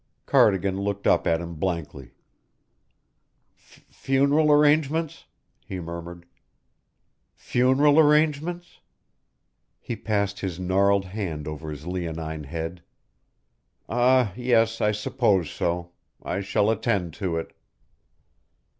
Cardigan looked up at him blankly. "Funeral arrangements?" he murmured. "Funeral arrangements?" He passed his gnarled hand over his leonine head. "Ah, yes, I suppose so. I shall attend to it."